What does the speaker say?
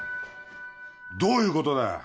どういう事だよ！